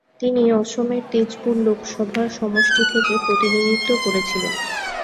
তিনি অসমের তেজপুর লোকসভা সমষ্টি থেকে প্রতিনিধিত্ব করেছিলেন।